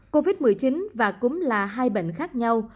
covid một mươi chín và cúm là hai bệnh khác nhau